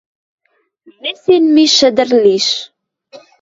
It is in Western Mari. Вӹсен ми шӹдӹр лиш.